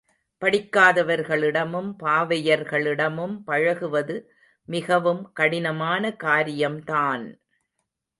படிக்காதவர்களிடமும், பாவையர்களிடமும் பழகுவது மிகவும் கடினமான காரியம்தான்!